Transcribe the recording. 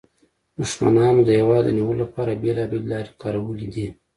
دښمنانو د هېواد د نیولو لپاره بیلابیلې لارې کارولې دي